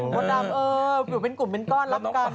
มดดำเอออยู่เป็นกลุ่มเป็นก้อนรับกัน